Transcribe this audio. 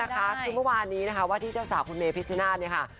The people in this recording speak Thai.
คือเมื่อวานนี้นะคะว่าที่เจ้าสาวคุณเมพิชนาธิ์เนี่ยค่ะ